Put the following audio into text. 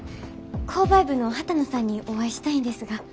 購買部の畑野さんにお会いしたいんですが。